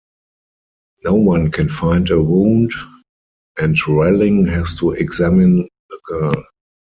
No one can find a wound, and Relling has to examine the girl.